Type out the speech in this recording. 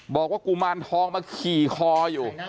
บอกว่ากุมารทองมาขี่คออยู่